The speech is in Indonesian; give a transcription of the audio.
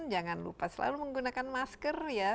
jangan lupa selalu menggunakan masker ya